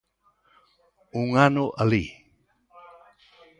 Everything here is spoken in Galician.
Un ano alí.